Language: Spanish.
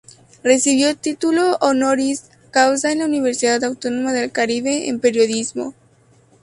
Recibió título honoris causa en la Universidad Autónoma del Caribe en periodismo.